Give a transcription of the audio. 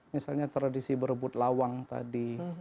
misalnya tradisi berebut lawang tadi